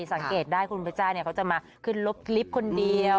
สังเกตได้คุณพิจารย์เขาจะมาขึ้นรถลิฟต์คนเดียว